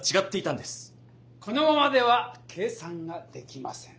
このままでは計算ができません。